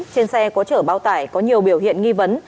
trên xe có chở bao tải có nhiều biểu hiện nghi vấn